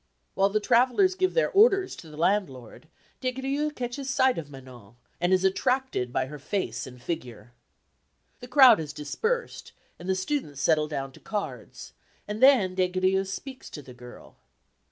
While the travellers give their orders to the landlord, Des Grieux catches sight of Manon, and is attracted by her face and figure. The crowd has dispersed and the students settle down to cards, and then Des Grieux speaks to the girl.